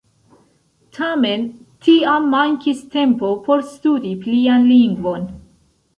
Tamen tiam mankis tempo por studi plian lingvon.